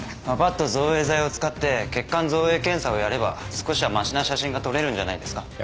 パパッと造影剤を使って血管造影検査をやれば少しはマシな写真が撮れるんじゃないですか？